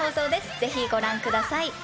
ぜひご覧ください。